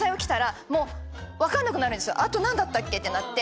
あと何だったっけ？ってなって。